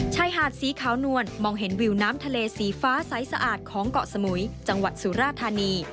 ชายหาดสีขาวนวลมองเห็นวิวน้ำทะเลสีฟ้าใสสะอาดของเกาะสมุยจังหวัดสุราธานี